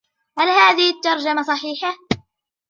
هل هذه الترجمة صحيحة ؟